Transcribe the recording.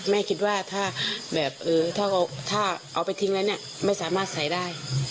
แม่คิดว่าถ้าแบบถ้าเอาไปทิ้งแล้วเนี่ยไม่สามารถใส่ได้